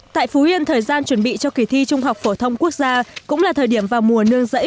tại phú yên thời gian chuẩn bị cho kỳ thi trung học phổ thông quốc gia cũng là thời điểm vào mùa nương rẫy